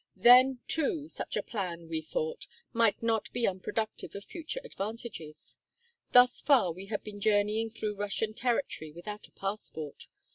Then, too, such a plan, we thought, might not be unproductive of future advantages. Thus far we had been journeying through Russian territory without a passport.